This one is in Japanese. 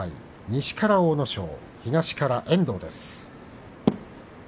西から阿武咲、東から遠藤です。